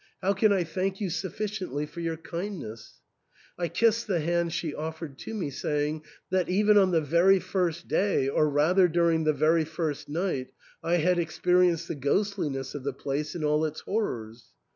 How can I thank you sufficiently for your kindness !" I kissed the hand she offered to me, saying, that even on the very first day, or rather during the very first night, I had experienced the ghostliness of the place in all its horrors.